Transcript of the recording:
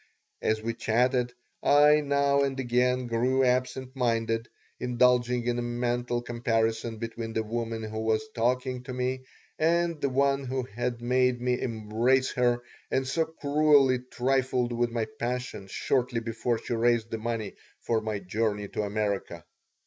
As we chatted I now and again grew absent minded, indulging in a mental comparison between the woman who was talking to me and the one who had made me embrace her and so cruelly trifled with my passion shortly before she raised the money for my journey to America.